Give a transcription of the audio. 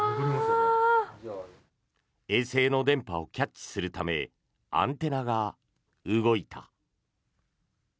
衛星の電波をキャッチするためアンテナが動いた。